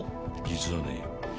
実はね